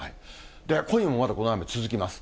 今夜もまだこの雨、続きます。